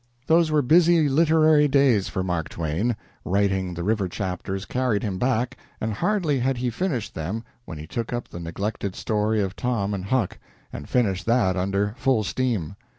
Those were busy literary days for Mark Twain. Writing the river chapters carried him back, and hardly had he finished them when he took up the neglected story of "Tom and Huck," and finished that under full steam.